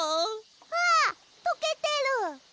あっとけてる！